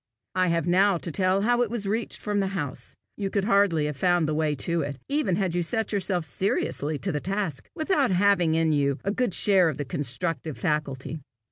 I have now to tell how it was reached from the house. You could hardly have found the way to it, even had you set yourself seriously to the task, without having in you a good share of the constructive faculty.